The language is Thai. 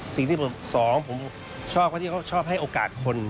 สิ่งที่สองผมชอบว่าที่เขาชอบให้โอกาสคน